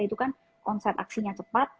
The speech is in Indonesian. itu kan konsernya cepat